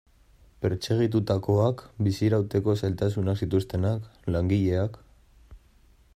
Pertsegitutakoak, bizirauteko zailtasunak zituztenak, langileak...